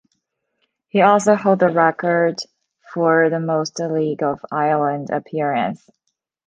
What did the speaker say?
He also hold the record for the most League of Ireland appearances.